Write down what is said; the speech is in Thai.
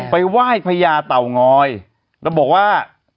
ไปไหว้พญาเต่างอยแล้วบอกว่า